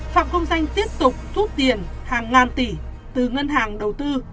phạm công danh tiếp tục rút tiền hàng ngàn tỷ từ ngân hàng đầu tư